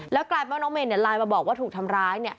กลายเป็นว่าน้องเมนไลน์มาบอกว่าถูกทำร้าย